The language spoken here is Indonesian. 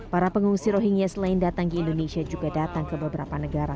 para pengungsi rohingya selain datang ke indonesia juga datang ke beberapa negara